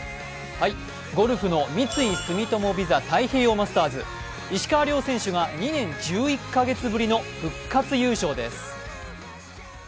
ゴルフの三井住友ＶＩＳＡ太平洋マスターズ、石川遼選手が２年１１か月ぶりの復活優勝です。